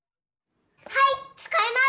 はいつかいます！